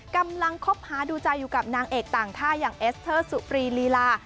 กำลังคบหาดูใจอยู่กับนางเอกต่างท่าอย่างเอสเตอร์สุปรีลีลา